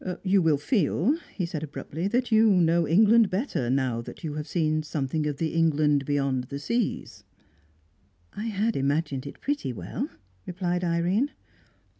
"You will feel," he said abruptly, "that you know England better now that you have seen something of the England beyond seas." "I had imagined it pretty well," replied Irene.